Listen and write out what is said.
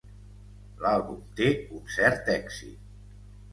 L'àlbum té un cert èxit.